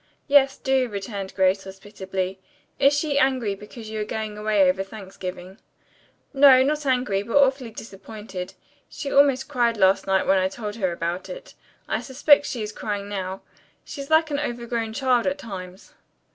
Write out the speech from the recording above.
"Yes, do," returned Grace hospitably. "Is she angry because you are going away over Thanksgiving?" "No, not angry, but awfully disappointed. She almost cried last night when I told her about it. I suspect she is crying now. She's like an overgrown child at times."